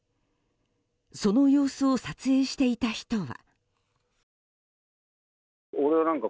その様子を撮影していた人は。